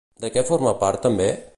De què forma part també?